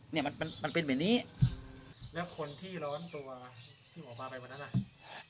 เนี่ยมันมันเป็นแบบนี้แล้วคนที่ร้อนตัวที่ผมออกมาไปวันนั้นอ่ะ